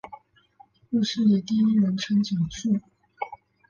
故事以第一人称讲述。